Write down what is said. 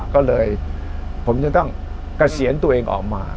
ก็เลยผมจะต้องเกษียณตัวเองออกมา